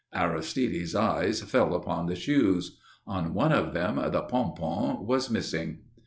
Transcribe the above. Aristide's eyes fell upon the shoes. On one of them the pompon was missing.